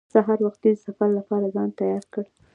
سهار وختي د سفر لپاره ځان تیار کړ.